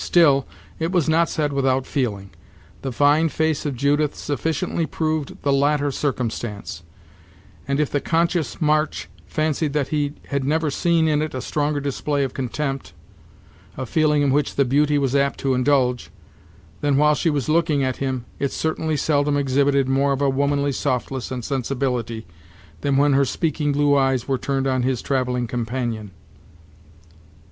Still, it was not said without feeling. The fine face of Judith sufficiently proved the latter circumstance; and if the conscious March fancied that he had never seen in it a stronger display of contempt a feeling in which the beauty was apt to indulge than while she was looking at him, it certainly seldom exhibited more of a womanly softness and sensibility, than when her speaking blue eyes were turned on his travelling companion.